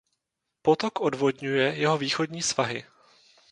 Potok odvodňuje jeho východní svahy.